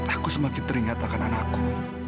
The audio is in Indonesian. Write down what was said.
aku semakin teringat akan anakku